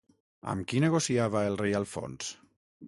Amb qui negociava el rei Alfons?